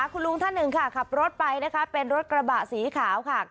คุณลุงท่านหนึ่งค่ะขับรถไปนะคะเป็นรถกระบะสีขาวค่ะ